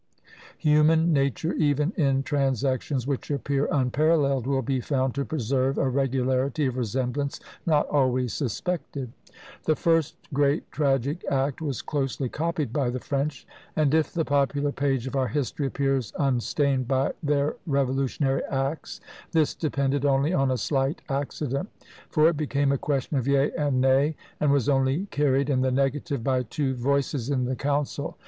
Human nature, even in transactions which appear unparalleled, will be found to preserve a regularity of resemblance not always suspected. The first great tragic act was closely copied by the French: and if the popular page of our history appears unstained by their revolutionary axe, this depended only on a slight accident; for it became a question of "yea" and "nay!" and was only carried in the negative by two voices in the council!